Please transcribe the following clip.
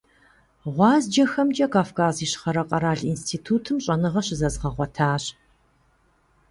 ГъуазджэхэмкӀэ Кавказ Ищхъэрэ къэрал институтым щӀэныгъэ щызэзгъэгъуэтащ.